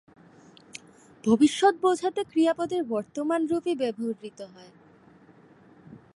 ভবিষ্যৎ বোঝাতে ক্রিয়াপদের বর্তমান রূপই ব্যবহূত হয়।